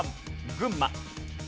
群馬。